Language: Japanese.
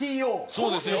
そうですよ。